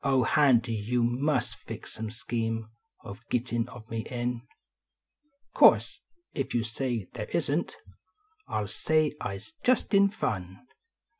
Oil, Handy, you must fix some scheme Of gittin of me in. Course, if you say they isn t, I ll say I s just in fun.